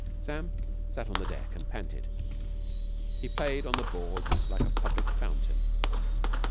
Sam sat on the deck and panted. He played on the boards like a public fountain.